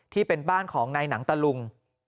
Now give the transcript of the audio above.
ที่เป็นบ้านของนายหนังตะลุง